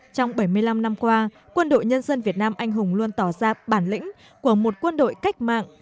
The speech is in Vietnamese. trong bảy mươi năm năm qua quân đội nhân dân việt nam anh hùng luôn tỏ ra bản lĩnh của một quân đội cách mạng